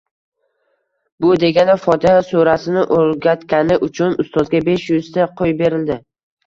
Bu degani Fotiha surasini o‘rgatgani uchun ustozga besh yuzta qo‘y berildi